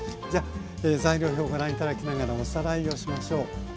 じゃ材料表ご覧頂きながらおさらいをしましょう。